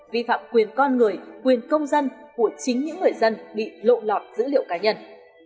vi phạm quyền con người quyền công dân của chính những người dân bị lộ lọt dữ liệu cá nhân